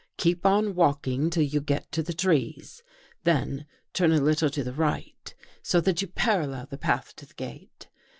Keep on walking till you get to the trees, then turn a little to the right, so that you parallel the path to the gate.